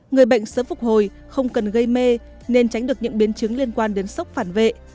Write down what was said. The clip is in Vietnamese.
người bệnh sớm phục hồi không cần gây mê nên tránh được những biến chứng liên quan đến sốc phản vệ